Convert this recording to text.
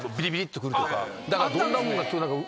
だからどんなもんか。